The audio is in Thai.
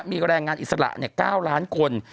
มีแรงงานอิสระ๙ล้านคน